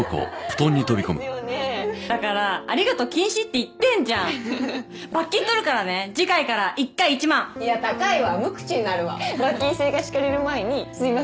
そうですよねだから「ありがとう」禁止って言ってんじゃん罰金取るからね次回から１回１万いや高いわ無口になるわ罰金制が敷かれる前にすいません